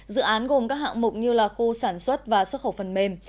dự án gồm các hạng mục như khu sản xuất và xuất khẩu phần mềm